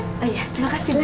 oh iya terima kasih bu